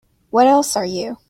What else are you?